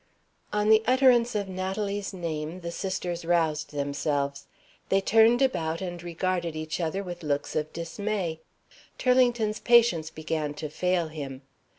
On the utterance of Natalie's name, the sisters roused themselves. They turned about and regarded each other with looks of dismay. Turlington's patience began to fail him.